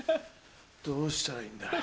どうしたらいいんだ。